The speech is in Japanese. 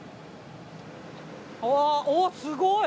おっすごい！